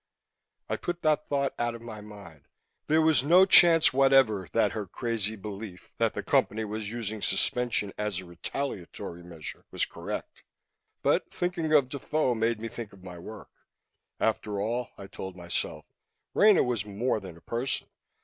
I put that thought out of my mind; there was no chance whatever that her crazy belief, that the Company was using suspension as a retaliatory measure, was correct. But thinking of Defoe made me think of my work. After all, I told myself, Rena was more than a person.